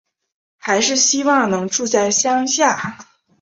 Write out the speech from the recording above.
还是希望能住在乡下